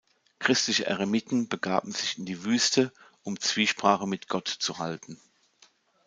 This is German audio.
Christliche Eremiten begaben sich in die Wüste, um Zwiesprache mit Gott zu halten.